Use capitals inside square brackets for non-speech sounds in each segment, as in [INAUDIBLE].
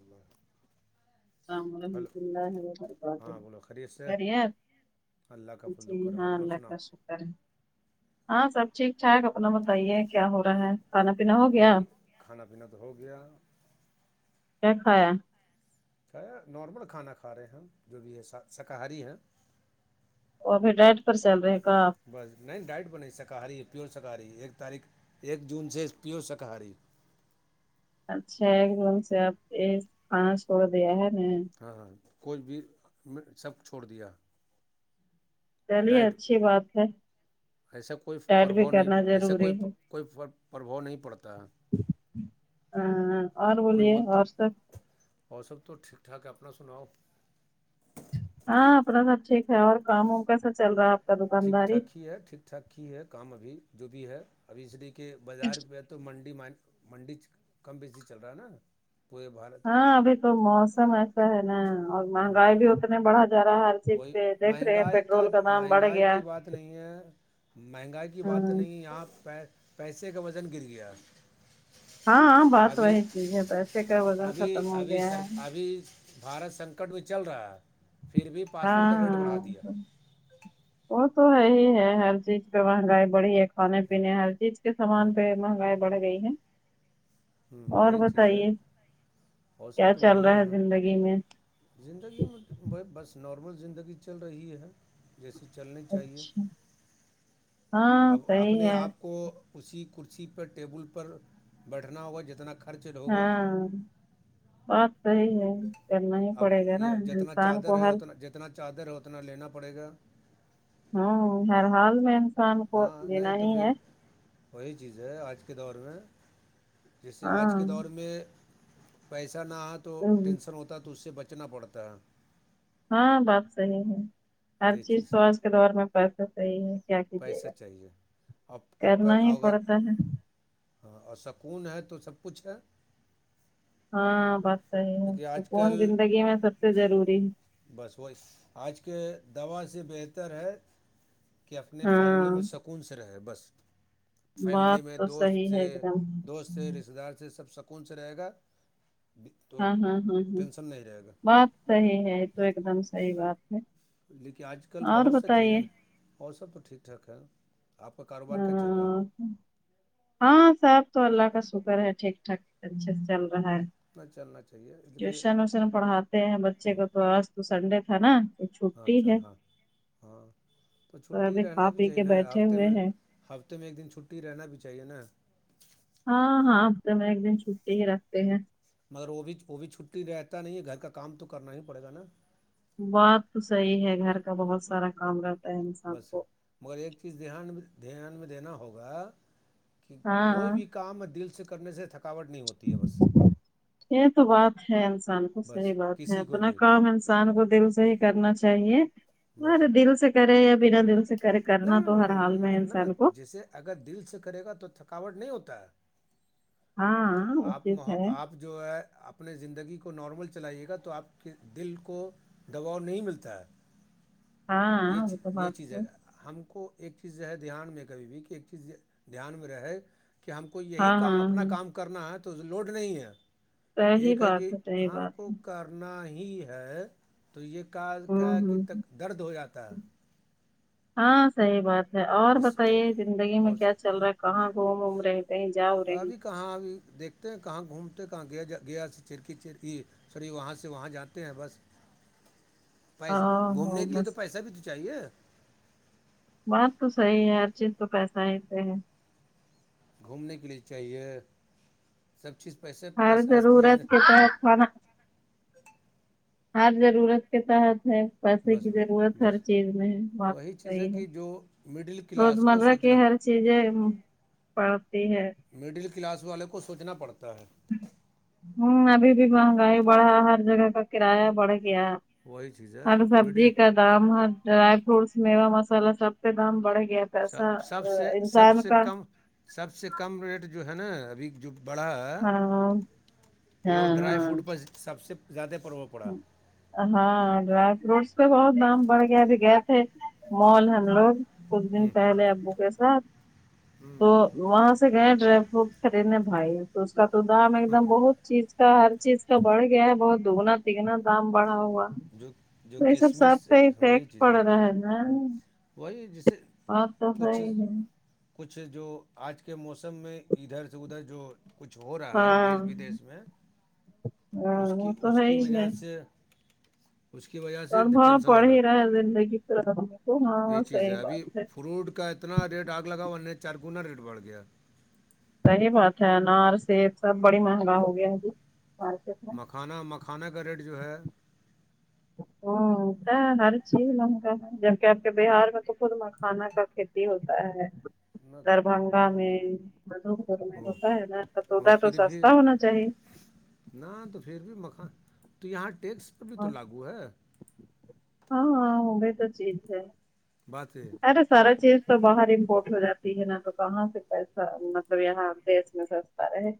اللہ اللام الحمد اللہ وبرکاتہ ہاں بولو خریت سے خریپ اللہ کا فضل جی و کرم ہاں اپنا اللہ سنا کا شک ہاں سب ٹھیک ٹھاک اپنا بتائیے کیا ہو رہا ہے کھانا پینا ہو گیا وہی کھانا پینا تو ہو گیا کیا کھایا کھ نارمل کھانا کھا رہے ہیں ہم جو بھی ہے شاکاہاری ہیں اور پھر ڈیٹ پر چل رہے گ بس نہیں ڈائٹ ب نہیں شاکاہاری پیور شاکاہاری ایک تاریخ ایک جون سے پیور شاکاہاری اچھا ایک دم سے آپ کھان چھوڑ دیا ہے ہاں ہاں کوئی بھی میں سب چھوڑ دیا چلیے ڈائٹ اچھی بات ہے ایسا کوئی ڈائٹ بھی پرفار نہیں کرنا ایسا ضروری کوئی ہے کوئی پربھؤ نہیں پڑتا ہے اور بولیے اور سب موسب تو ٹھیک ٹھاک اپنا سناؤ ہاں اپنا سب ٹھیک ہے اور کام ووم کیسا چل رہا ہے کا ٹھیک دکانداری ٹھاک ہی ہے ٹھیک ٹھاک ہی ہے کام ابھی جو بھی ہے ابھی اس لیے کہ بازار پہ منڈی م منڈی کم بیسی چل رہا ہے نا کوئی بر ہاں ابھی تو موسم ایسا ہے نا اور مہنگائی بھی اتنے بڑھا جا رہا ہے چیز ہوئی پہ دیکھ رہے ہیں مہنگائی کا پیٹرول دام بڑھ مہنگائی گیا کی بات نہیں ہے مہنگائی کی بات ہاں نہیں یہاں پیس پیسے کا وزن گر گیا ہاں بات ابھی وہی چیز ہے پیسے کا وزن ابھی ختم ہو ابھی گیا سر ہے ابھی بھارت سنکٹ میں چل رہا ہے پھر بھی پاسپورٹ ہاں کا ریٹ بڑھا ہاں دیا وہ تو ہےی ہے ہر چیز پہ مہنگائی بڑی ہے کھانے ہ پینے ہر چیز کے سامان پہ مہنگائی بڑھ گئی ہے ہوں اور وہی چیز ہے بتائیے اور کیا سب تو چل رہا بڑھیا ہے زندگی میں زندگی میں بس نارمل زندگی چل رہی ہے جیسیے چلنی چاہیے اچھا ہاں اب صحیح اپنے ہے آپ کو اسی کرسی پر ٹیبل پر کرنا ہوا جتناک ہاں بات صحی ہے کرنا ہی اب پڑے گا نا یہ جتنا انسان کو چادر ہے ہر اتنا جتنا چادر اتنا لینا پڑے گا ہوں ہر حال میں انسان کو ہاں نہیں دینا تو ہی پھر ہے وہی چیز ہے آج کے دور میں جیسے آج ہاں کے دور میں پیسہ نہ آ تو ہوں، ٹینسن ہوتا ہے تو اس سے بچنا پڑتا ہے ہاں بات صحیح ہے ہر چیز س آج کے دور میں پیسے صحیح ہے کیا کیجے پیسہ گا چاہیے اور کرنا ہی اگر پڑتا ہے ہاں اور سکون ہے تو سب کچھ ہے ہاں بات صحی ہے لیکن تو آج کون کل زندگی میں سب سے ضروری ہے بس وہی آج کے دوا سے بہتر ہے کہ اپنے فیملی ہاں میں سکون سے رہے بس فیملی بات میں تو دوست صحیح سے ہے ایک دم دوست سے رشتتے دار سے سب سکون سے رہے گا تو ہاں ہاں ہاں ہاں ٹینشن نہیں رہے گا بات صحیح ہے تو ایک دم صحی بات ہے لیکن آج کل اور بہت سا چیز بتائیے ہے اور سب تو ٹھیک ٹھاک ہے آپ کا کاروبار کیا چل رہا ہے ہاں ہاں صاب تو اللہ کا شکر ہے ٹھیک ٹھاک اچھے سے چل رہا ہے اتنا چلنا چاہیے لیکن ٹیوشن ویوشن پڑھاتے ہیں بچے ہاں کو تو آج تو سنڈے تھا نا تو ہاں چھٹی ہے چل ہاں ہاں تو چھٹی ابھی رہنا کھا بھی پی چاہیے کے نہ ہے بیٹھے ہفتے ہوئے میں ہیں ہفتے میں ایک دن چھٹی رہنا بھی چاہیے نا ہاں ہاں اب تو میں ایک دن چھٹی ہی رکھتے ہیں مگر وہ بھی وہ بھی چھٹی رہتا نہیں ہے گھر کا کام تو کرنا ہی پڑے گا نا بات تو صحیح ہے گھر کا بہت سارا کام رہ بس مگر ایک چیز دھیان دھیان میں دینا ہوگا کہ کوئی ہاں بھی کام دل سے کرنے سے تھکاوٹ نہیں ہوتی ہے بس یہ تو بات ہے انسان کو بس صحیح بات ہے کسی کو اپنا بھی کام انسان انسان کو دل سے ہی کرنا چاہیے بس مرے دل سے کرے یا بنا دل سے کرے نہ کرنا تو ہر حال میں ہے نہ نہ انسان کو جیسے اگر دل سے کرے گا تو تھکاوٹ نہیں ہوتا ہے ہاں آپ م اچت آپ ہے آ جو ہے اپنے زندگی کو نارمل چلائیے گا تو آپ کے دل کو دوباؤ نہیں ملتا ہے ہاں یہ وہ تو یہ بات چیز ہے ہم کو ایک چیز ہے دھیان میں کبھی بھی کہ ایک چیز دھیان میں رہے کہ ہم کو یہی ہاں کام ہاں اپنا ہاں کام کرنا ہے تو لوڈ نہیں ہے صحیح ایک ہے بات کہ صحیح آ بات کو کار نا ہی ہے تو یہ کا ہوں کیا کہ ہوں درد ہو جاتا ہے ہاں صحیح بات ہے اور جس بتائیے زندگی میں اور کیا چل رہا ہے کہاں گھوم اوم رہے کہیں جاؤ رہے ہیں ابھی کہاں ابھی دیکھ کہاں گھومتے کہاں گیا گیا چرکی چرکی سوری وہاں سے وہاں جاتے ہیں بس پیسے ہاں گھومنے ہو کے لیے تو بس پیسہ بھی تو چاہیے بات تو صحیح ہے ہر چیز تو پیسہ ہیتے ہیں گھومنے کے لیے چاہیے سب چیز پیسے ہر پیسے آج کی ضرورت کے تحت کھانا ہر ضرورت کے تحت ہے پیسے بس کی ضرورت ہر بس چیز میں ہے بات وہی چیز رہحی ہے کہ جو مڈل روز کلاس کو مرہ کے سوچنا ہر چیزیں پڑتی ہے مڈل کلاس والے کو سوچنا پڑتا ہے ہوں ابھی بھی مہنگائی بڑھا ہر جگہ کا کرایہ بڑھ گیا وہی چیز ہے ہر مڈل سبزی کا دام ہر ڈرائی فروٹس میوا مسالا سب کے دام بڑھ گیا تھا سب سب سے سب سے کم سب سے کم ریٹ جو ہے نا ابھی جو بڑا ہاں وہ ڈرائی فروٹ پرہ سب سے زیادہ پر ہوں ہاں ڈرائی فروٹس پہ بہت دام بڑھ گیا بھی گئے تھے مال ہم لوگ کچھ دن پہلے ابو کے ساتھ تو وہاں سے گئے ڈرائی فروٹ کررینے بھائی تو اس کا تو دام ایک دم بہت چیز کا ہر چیز کا بڑھ گیا ہے بہت دگنا تگنا دام بڑھا ہوا جو جو تو یہ سب کشمش سب کا ہی وہی ٹیکس چیز پڑ رہا ہے نا وہی جسے باں تو ہے کچھ ہی ہے کچھ جو آج کے موسم میں ادھر سے ادھر جو کچھ ہو رہا ہے دیش ہاں بدیش میں ہاں اس کی وہ تو اس ہے کی ہی ہے وجہ سے اس کی وجہ سے ٹینشن ہو رہا ہے زندگ ط ہاں [UNINTELLIGIBLE] یہی چیز ہے ابھی فروٹ کا اتنا ریٹ آگ لگا ورہ چار گنا ریٹ بڑھ گیا صحی بات ہے انار سب سب بڑی مہنگا ہو گیا جی مارکیٹ میں کھانا مکھانا کا ریٹ جو ہے او ا نرچی لوگا کیا آپ کے بہار میں تو خود مکھانا کا کھیتی ہوتا ہے نہ تو دربھنگہ میں م گھر میں وہ ہوتا ہے نا تو مگر تودا تو پھر بھی سستا ہونا چاہیے نہ تو پھر بھی مکھان تو یہاں ٹیکس پر بھی تو لاگو ہے ہاں ہاں ہو گئی تو چیز ہے بات یہ ارے سارا چیز تو باہر امپورٹ ہو جاتی ہے نا تو کہاں سے پیسہ مطلب یہاں دیش میں س رہے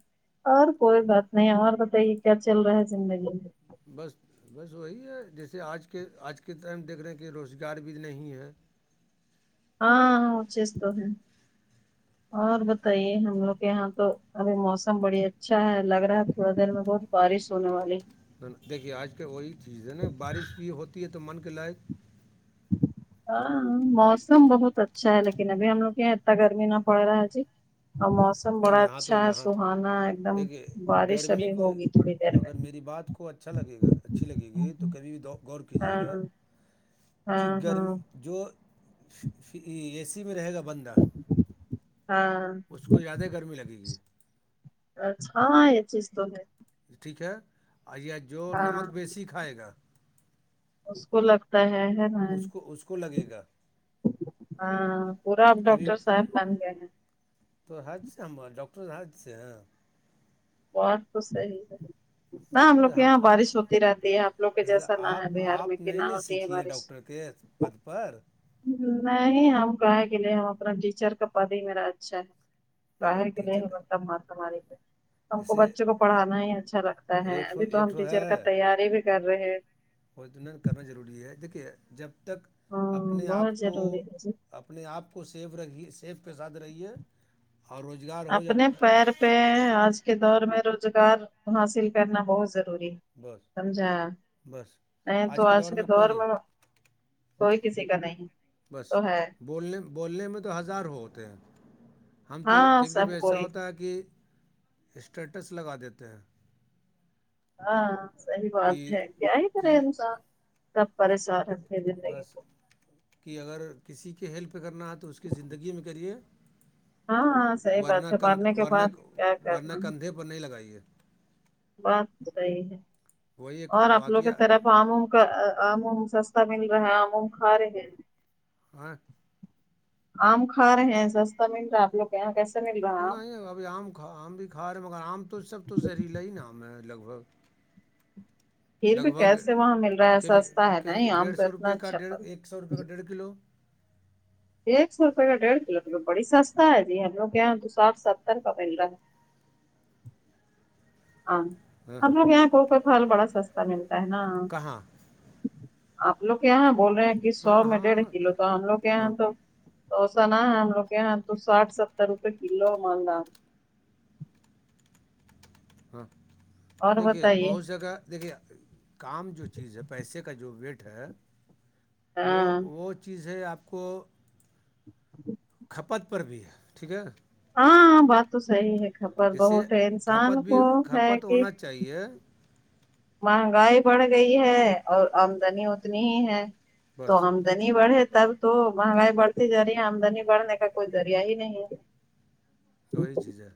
اور کوئی بات نہیں اور بتائیے کیا چل رہا ہے زندگی میں بس بس وہی ہے جیسے آج کے آج کے ٹائم دیکھ رہے ہیں کہ روزگار بھی نہیں ہے ہاںاں چیست ہیں [INAUDIBLE] اور بتائیے ہم لوگ کے یہاں تو ابھی موسم بڑی اچھا ہے لگ رہا ہے تھوڑا دیر میں بہت بارش ہونے والی دیکھیے آج کیا وہی چیز ہے نا بارش بھی ہوتی ہے تو من کے لائق [INAUDIBLE] ہاں موسم بہت اچھا ہے لیکن ابھی ہم لوگ یہاں اتنا گرمی نہ پڑ رہا ہے جی اور موسم نہ بڑا نہیں یہاں اچھا تو ہے یہاں تو سہانا ایک دم دیکھیے بارش گرمی ابھی کو ہوگی تھوڑی دیر میں اگر میری بات کو اچھا لگے گا اچھی لگے گی تو کبھی بھی غور کیجیے ہاں گا کہ ہاں ہاں گرمی جو اے سی میں رہے گا بندہ ہاں اس کو زیادہ گرمی لگے گی اچھا ہاں یہ چیز تو ہے ٹھیک ہے آیا جو ہاں نمک بیسی کھائے گا اس کو لگتا ہے اس کو اس کو لگے گا ہاں پورا اب کبھی ڈاکٹر صاحب بن گئے ہیں تو حج سے ہم ڈاکٹر حاتج سے ہیں بات تو صحی ہے نہ ہم لوگ کے یہاں بارش ہوتی رہتی ہے آپ لوگ کے جیسے جیسا نہ ہے آپ بہار میں آپ کہ نہیں نہ ن ہوتی ہے سیکھی ہیں بارش ڈاکٹر کے پد پر نہیں ہم کہے کے لیے ہم اپنا ٹیچر کا پد ہی میرا اچھا ہے نا بر کہ نہیں ٹیچر ہو کا، بتاب ہماری پہ ہم کو جیسے بچوں کو پڑھانا ہی اچھا لگتا ہے ایک ابھی تو ہم ایک ٹیچر کا تیاری بھی کر رہے ہیں پن کرنا ضروری ہے دیکھیے جب تک ہاں اپنے بہت آپ کو ضروری ہے جی اپنے آپ کو سیف رکھیے سیف کے ساتھ رہیے اور روز اپنے پیر پہ آج کے دور میں روزگار حاصل کرنا بہت ضروری ہے بس سمجھا بس ا تو آ کے دور میں کوئی کسی کا نہیں بس تو ہے بولنے بولنے میں تو ہزار ہو ہوتے ہیں ہم تو ہاں کبھی کبھی سب ایسا کوئی ہوتا ہے کہ اسٹیٹس لگا دیتے ہیں ہاں صحیح کہ بات ہے کیا ہی کرے کہ انسان سب پریشان ہے بس کہ اگر کسی کے ہیلپ پہ کرنا ہے تو اس کی زندگی میں کریے ہاں ہاں صحیح بات ہے مرنے کے بعد کیا ورنہ کرنا ہے کندھے پر نہیں لگائیے بات صحی ہے وہی ایک اور آپ لوگ کی واقعہ طرف آموم کا آموم سستا مل رہا ہے آموم کھا رہے ہیں ہاں آم کار رہے ہیں سستتا من رہا کہاں کیسے مل رہا ہے آم نہیں ابھی آم کھا آم بھی کھا رہے ہیں مگر آم تو سب تو زہریلا ہی نا آام ہے لگ بھگ پھر لگ بھی بھگ کیسے وہاں مل رہا ہے سستا ہے نہیں آم ڈیڑھ تو سو اتنا روپئے کا اچھا پھل ڈیڑھ ایک سو روپئے کا ڈیڑھ کلو ایک سو روپے کا ڈیھ کلو تو بڑی سستا ہے جی ہم لوگ کے یہاں تو ساٹھ ستر کا مل رہا ہے ہاں ہاں ہم لوگ یہاں کوکا کھال بڑا سستا ملتا ہے نا کہاں آپ لوگ کے یہاں بول رہے ہیں کہ سو ہاں میں ڈیڑھ ہاں کلو تو ہم لوگ کے ہاں یہاں تو تووسا نہ ہے ہم لوگ کے یہاں تو ساٹھ ستر روپئے کلو مالدا ہاں اور دیکھیے بتائیے بہت جگہ دیکھیے کام جو چیز ہے پیسے کا جو ویٹ ہے وہ ہاں وہ چیز ہے آپ کو ج پد پر بھی ہے ٹھیک ہے ہاں بات تو صحی ہے خبر جیسے بہت کھپت انسان کو بھی ہے کھپت کہ ہونا چاہیے مہنگائی بڑھ گئی ہے اور آمدنی اتنی ہی ہے تو بس آمدنی بڑھے تب تو مہنگائی بڑھتی جا رہی ہے آمدنی بڑھنے کا کوئی ذریہ ہی نہیں ہے توی چیز ہے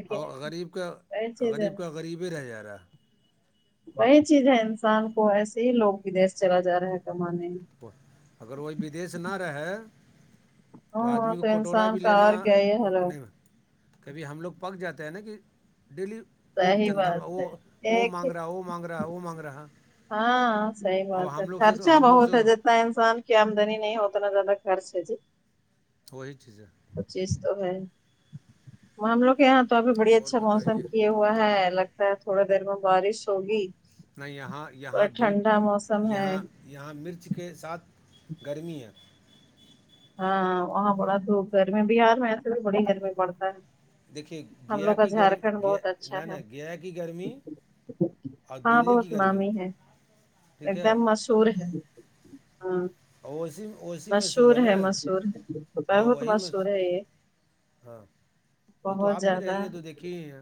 کہ نہیں اور غریب کا وہی چیز ہے غریب نا، کا غریب ہی رہ جاارا وہی چیز ہے انسان کو ایسے ہی لوگ ودیس چلا جا رہا ہے کمانے اگر وہی بدیش نہ رہے تو ہاں آدمی کو کٹورا بھی انسان کا لینا اور کیا یہ حلو نہیں کبھی ہم لوگ پک جاتے ہیں نا کہ ڈیلی وہ صحیح چندہ بات وہ ہے وہ ایک ہی مانگگرا وہ وہ مانگ رہا وہ مانگ رہا ہاں صحی اب بات ہے ہم لوگ سے خرچہ تو ہم لوگ بہت سے ہے تو ج انسان کی آمدنی نہیں اتنا زیادہ خرچ ہے جی وہی چیز ہے پچیس تو ہے مان لو کے یہاں تو ابھی بڑی اور اچھا موسم بتائیے کی ہے ہوا ہے لگتا ہے تھوڑا دیر میں بارش ہوگی نہ یہاں تھوڑا یہاں دھوپ ٹھنڈا موسم ہے یہاں یہاں مرچ کے ساتھ گرمی ہے ہاں وہاں بڑا دھوپ گرمی ہے بہار میں ایسے بھی بڑی گرمی پڑتا ہے دیکھیے ہم گیا لوگ کا کی گرمی جھارکھنڈ گیا بہت نہ اچھا نہ ہے گیا کی گرمی اور ہاں دلی کی بہت گرمی ٹھیک ہے چوور ہے ہاں اوسیی او سسی مشور مشہور ہے نا مشہور ہے ہاں بہت وہی م مشہور ہے یہ ہاں وہ تو بہت آپ بھی زیادہ رہیں گے تو دیکھے ہی ہیں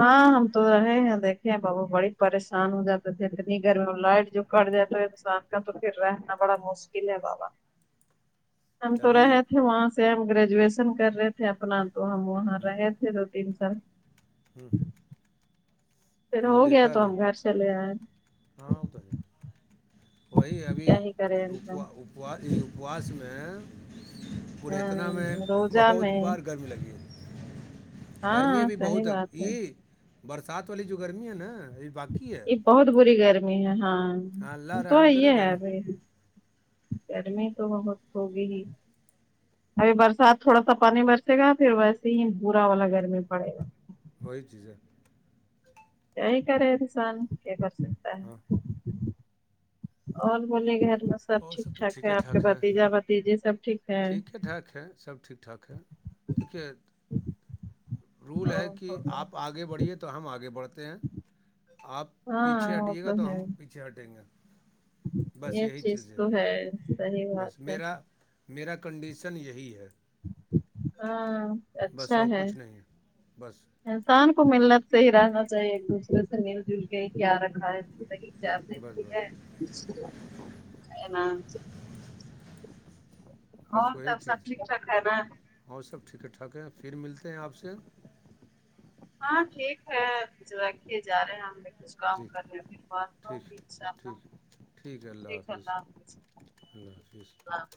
ہاں ہم تو رہے ہیں دیکھے بابو بڑی پریشان ہو جاتے تھے اتنی گرمی لائٹ جو گٹ جائے تو انسان کا تو پھر رہنا بڑا مشکل ہے بابا [UNINTELLIGIBLE] ہم تو ابھی رہے تھے وہاں سے ہم گریجویشن کر رہے تھے اپنا تو ہم وہاں رہے تھے جیرو تین سال ہاں پھر ہو گیا تو ابھی ہم گھر چلے آئیں ہاں ات ہے وہی کیا ہی کرے انسان ابھیا اپوس میں پ اتنا میں ہاں روزہ بہت میں بار گرمی لگی ہے گرمیمی ا ہاں بھی صحیح بہت ہے بات یہ برسات والی جو گرمی ہے نا یہ باقی ہے یہ بہت بری گرمی ہے ہاں ہاں اللہ تو رحم کرے ہے ہے گرمی ابھی ایڈمی تو بہت ہوگی ہی ابھی برسات تھوڑا سا پانی برسے گا پھر ویسے ہی برا والا گرمی پڑے گا وہی چیز ہے یہی کرے انسان کیا کر سکتا ہاں ہے اور بوولے گھر میں سب ٹھیک ٹھاک ہے آپ کے بھتیجا بھتیجے سب ٹھیک ہے ٹھیکٹھاک ہے سبٹھیک ٹھ ٹاک ہے ک رول ہے او کہ ہو، آپ آگے بڑھیے تو ہم آگے بڑھتے ہیں آپ پیچھے ہاں وہ ہٹیے گا تو ہے ہم پیچھے ہٹیں گے بس یہ یہی چی چیز تو ہے صحیح بات ہے میرا کنڈیشن یہی ہے ہاں بس اچھا اور ہے کچھ نہیں بس انسان کو ملنا صح ہی رہنا چاہیے ایک دوسرے سے مل جل کے کیا رکھنا ہے زلی بس ج ہے بس ن اور بس وہی ت سب چیز ٹھیکٹھاک ہے نا [INAUDIBLE] اور سب ٹھیک ہے ٹھاک ہے پھر ملتے ہیں آپ سے ہاں ٹھیک ہے جوے جا رہے ہیں ہمیک [INAUDIBLE] کچھ کام ٹھیک کرنے میں ب ٹھیک بتام [INAUDIBLE] ٹھیک ہے اللہ حافظ اللہ حاظ [INAUDIBLE]